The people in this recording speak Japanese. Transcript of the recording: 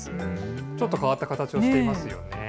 ちょっと変わった形をしていますよね。